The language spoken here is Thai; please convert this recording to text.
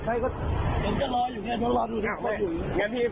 ไม่ใช่นะพี่ไม่ให้แบบพี่